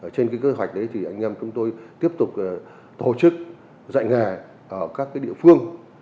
trên kế hoạch đấy thì anh em chúng tôi tiếp tục tổ chức dạy nghề ở các địa phương